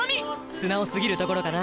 素直すぎるところだな。